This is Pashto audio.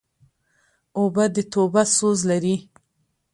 اوبه د توبه سوز لري.